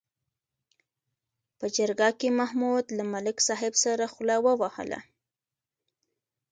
په جرګه کې محمود له ملک صاحب سره خوله ووهله.